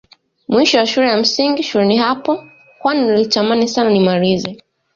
Mwisho wa shule ya msingi shuleni hapo kwani nilitamani Sana nimalize